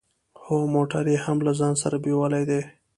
هو موټر يې هم له ځان سره بيولی دی.